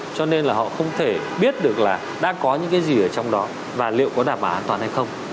cho nên là họ không thể biết được là đã có những cái gì ở trong đó và liệu có đảm bảo an toàn hay không